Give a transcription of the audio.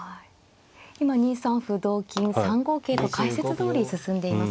今２三歩同金３五桂と解説どおり進んでいます。